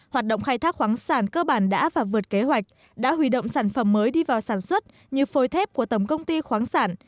hoạt động khai thác khoáng sản cơ bản đã và vượt kế hoạch đã huy động sản phẩm mới đi vào sản xuất như phôi thép của tổng công ty khoáng sản